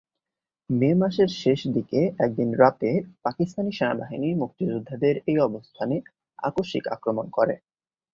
মে মাসের শেষ দিকে একদিন রাতে পাকিস্তান সেনাবাহিনী মুক্তিযোদ্ধাদের এই অবস্থানে আকস্মিক আক্রমণ করে।